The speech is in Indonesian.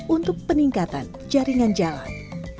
untuk peningkatan jaringan jalan